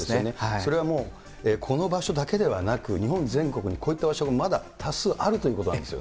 それはもう、この場所だけではなく、日本全国にこういった場所がまだ多数あるということなんですよね。